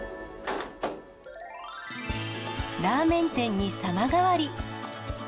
ラーメン店に様変わり。